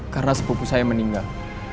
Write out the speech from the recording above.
karena sepupu saya meninggal